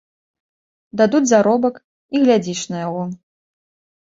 Дадуць заробак і глядзіш на яго.